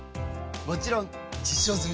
もちろん実証済！